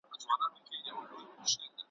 څوک به دي ستايي په چا به ویاړې؟ `